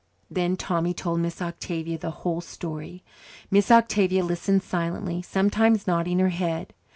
Then Tommy told Miss Octavia the whole story. Miss Octavia listened silently, sometimes nodding her head.